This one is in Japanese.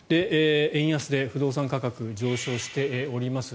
円安で不動産価格が上昇しております。